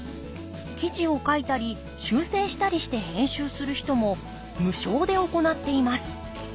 記事を書いたり修正したりして編集する人も無償で行っています。